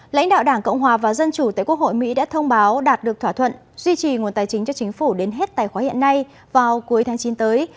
lãnh đạo đảng cộng hòa và dân chủ tại quốc hội mỹ đã thông báo đạt được thỏa thuận duy trì nguồn tài chính cho chính phủ đến hết tài khoá hiện nay vào cuối tháng chín tới